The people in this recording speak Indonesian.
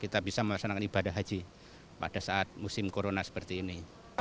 kita bisa melaksanakan ibadah haji pada saat musim corona seperti ini